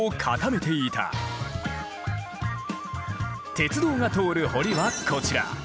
鉄道が通る堀はこちら。